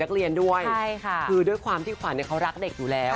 คือด้วยความที่ขวันเขารักเด็กอยู่แล้ว